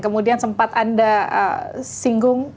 kemudian sempat anda singgung